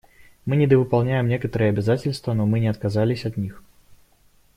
Мы недовыполняем некоторые обязательства, но мы не отказались от них.